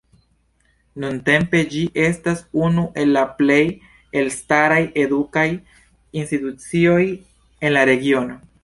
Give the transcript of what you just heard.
Nuntempe ĝi estas unu el la plej elstaraj edukaj institucioj en la regiono.